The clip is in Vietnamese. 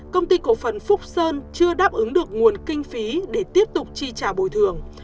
công ty cổ phần phúc sơn chưa đáp ứng được nguồn kinh phí để tiếp tục chi trả bồi thường